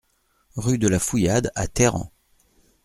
Rue de la Fouillade à Teyran